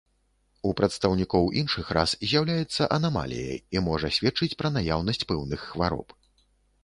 У прадстаўнікоў іншых рас з'яўляецца анамаліяй і можа сведчыць пра наяўнасць пэўных хвароб.